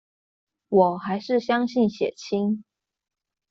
我還是相信血親